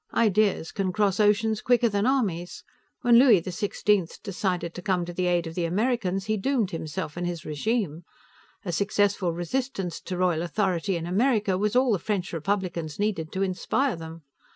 "Ideas can cross oceans quicker than armies. When Louis XVI decided to come to the aid of the Americans, he doomed himself and his regime. A successful resistance to royal authority in America was all the French Republicans needed to inspire them.